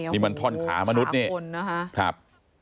นี่มันท่อนขามนุษย์เนี่ย